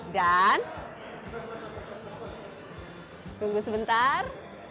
dan tunggu sebentar